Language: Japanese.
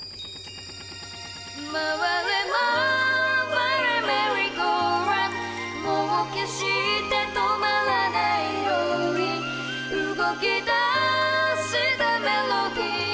「まわれまわれメリーゴーラウンド」「もうけして止まらないように」「動き出したメロディ」